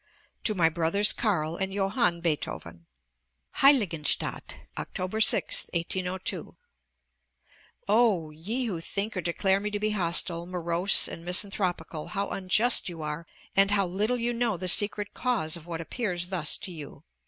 TO MY BROTHERS CARL AND JOHANN BEETHOVEN HEILIGENSTADT, Oct. 6th, 1802. Oh! Ye who think or declare me to be hostile, morose, and misanthropical, how unjust you are, and how little you know the secret cause of what appears thus to you!